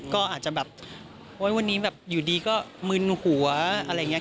ก็อาจจะแบบโอ๊ยวันนี้แบบอยู่ดีก็มึนหัวอะไรอย่างนี้